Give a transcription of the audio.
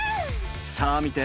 さあ見て！